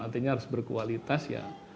artinya harus berkualitas ya